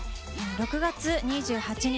６月２８日